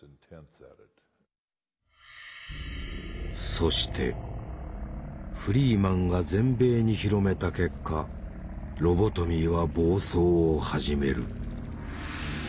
そしてフリーマンが全米に広めた結果ロボトミーは暴走を始める。